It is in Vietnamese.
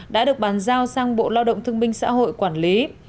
đã được bàn giao sang bộ lao động thương minh xã hội quản lý